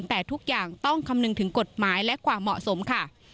แต่ทุกอย่างต้องคำนึงถึงกฎหมายและความเหมาะสมค่ะ